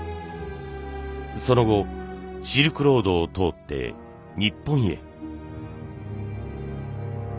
その後シルクロードを通って日本へ。